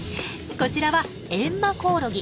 こちらはエンマコオロギ。